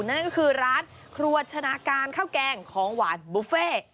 นั่นก็คือร้านครัวชนะการข้าวแกงของหวานบุฟเฟ่